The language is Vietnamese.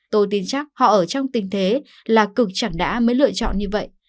tôi tin chắc họ ở trong tình thế là cực chẳng đã mới lựa chọn như vậy